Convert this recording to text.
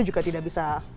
juga tidak bisa